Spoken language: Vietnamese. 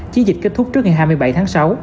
chiến dịch kết thúc trước ngày hai mươi bảy tháng sáu